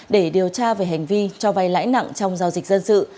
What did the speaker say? để điều tra về hành vi cho vay lãi nặng trong giao dịch dân sự